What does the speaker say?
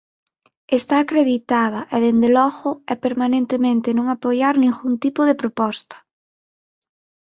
Está acreditada e dende logo é permanentemente non apoiar ningún tipo de proposta.